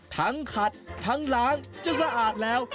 ทั้งขัดทั้งหลางจะสะอาดแล้ว